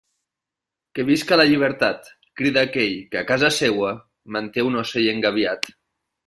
Que visca la llibertat, crida aquell que, a casa seua, manté un ocell engabiat.